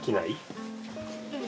うん。